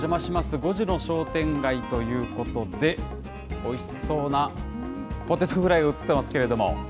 ５時の商店街ということで、おいしそうなポテトフライ、映ってますけれども。